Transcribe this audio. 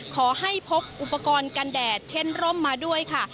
ขอให้พกอุปกรณ์กันแดดเช่นร่มมาด้วยค่ะ